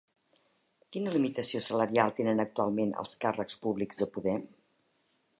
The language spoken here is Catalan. Quina limitació salarial tenen actualment els càrrecs públics de Podem?